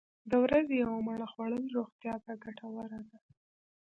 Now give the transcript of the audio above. د ورځې یوه مڼه خوړل روغتیا ته ګټوره ده.